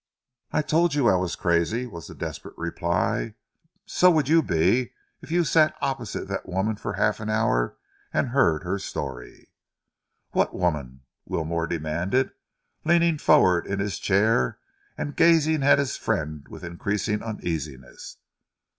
"I told you I was crazy," was the desperate reply. "So would you be if you'd sat opposite that woman for half an hour, and heard her story." "What woman?" Wilmore demanded, leaning forward in his chair and gazing at his friend with increasing uneasiness.